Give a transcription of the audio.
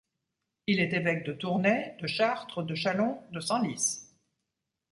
Il est évêque de Tournai, de Chartres, de Chalon, de Senlis.